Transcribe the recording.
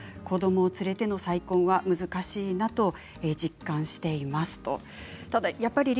子どもを連れての再婚は難しいなと実感していますということです。